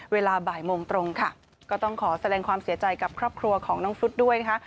เวลาบ่ายโมงตรงค่ะก็ต้องขอแสดงความเสียใจกับครอบครัวของน้องฟุตด้วยนะคะ